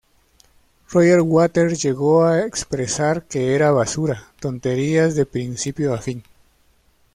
Roger Waters llegó a expresar que era "basura, tonterías de principio a fin".